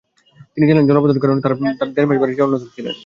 তিনি জানালেন, জলাবদ্ধতার কারণে তাঁরা দেড় মাস বাড়ি ছেড়ে অন্যত্র ছিলেন।